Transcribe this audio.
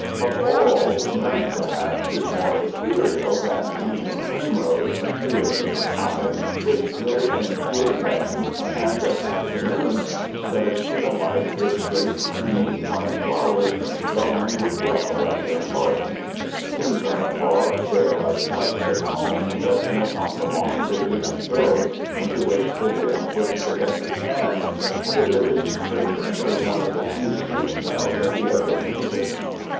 Of all none, perhaps, is more ethereal than an evening primrose a few inches high, which lives in pure sand and of afternoons spreads to the light its great, creamy white flowers, glowing with yellow at their hearts. Seen from afar, they are like flecks of foam resting upon the long ridges and billows into which the wind whips the desert sands, and their delicious fragrance is one of the few sweet smells of the arid regions.